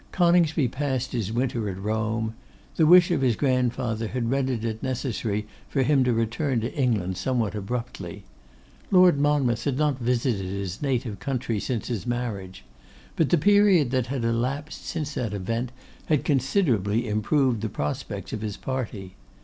Coningsby passed his winter at Rome. The wish of his grandfather had rendered it necessary for him to return to England somewhat abruptly. Lord Monmouth had not visited his native country since his marriage; but the period that had elapsed since that event had considerably improved the prospects of his party.